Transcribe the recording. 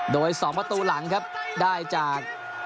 โดย๒ประตูหลังครับได้จาก